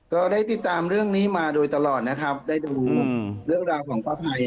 ก็ได้ติดตามเรื่องนี้มาโดยตลอดนะครับได้ดูเรื่องราวของป้าภัย